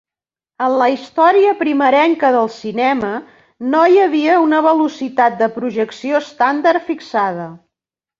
En la història primerenca del cinema no hi havia una velocitat de projecció estàndard fixada.